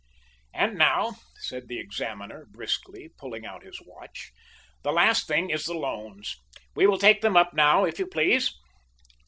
"And now," said the examiner, briskly, pulling out his watch, "the last thing is the loans. We will take them up now, if you please."